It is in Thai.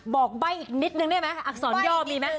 บอกใบ้อีกนิดนึงได้ไหมอักษรย่อมีไหม